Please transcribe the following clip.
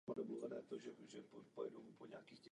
Získali jsme odborné znalosti a zkušenosti.